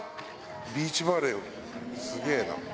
ビーチバレーよ、すげぇな。